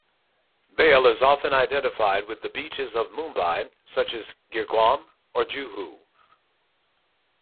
Bhel is often identified with the beaches of Mumbai, such as Girguam or Juhu.